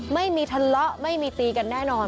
ไม่มีทะเลาะไม่มีตีกันแน่นอน